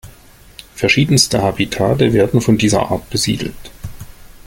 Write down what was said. Verschiedenste Habitate werden von dieser Art besiedelt.